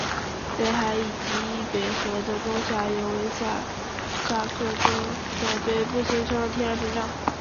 北海以及易北河的中下游为下萨克森州的北部形成了天然屏障。